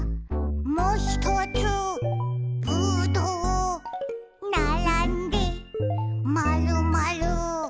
「もひとつぶどう」「ならんでまるまる」